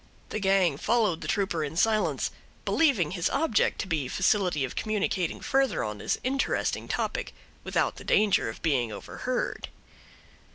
The gang followed the trooper in silence, believing his object to be facility of communicating further on this interesting topic, without the danger of being overheard.